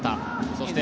そして